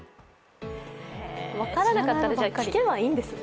分からなかったら聞けばいいんですよ。